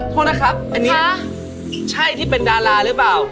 โทษนะครับอันนี้ใช่ที่เป็นดาราหรือเปล่า